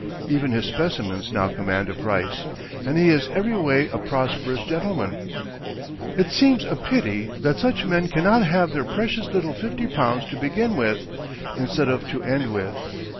Even his specimens now command a price, and he is every way a prosperous gentleman. It seems a pity that such men cannot have their precious little fifty pounds to begin with, instead of to end with.